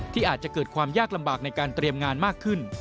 มีความยากลำบากในการเตรียมงานมากขึ้น